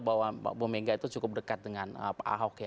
bahwa pak ibu mega itu cukup dekat dengan pak ahok